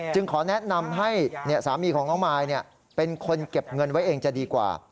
ขอแนะนำให้สามีของน้องมายเป็นคนเก็บเงินไว้เองจะดีกว่า